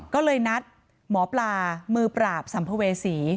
ก็เลยนัดหมอปลามือปราบสัมภเวษี